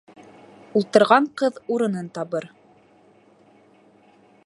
Ултырған ҡыҙ урынын табыр